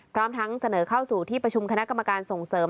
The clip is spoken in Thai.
พร้อมทั้งเสนอเข้าสู่ที่ประชุมคณะกรรมการส่งเสริม